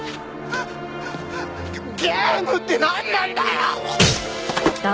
ゲームってなんなんだよ！？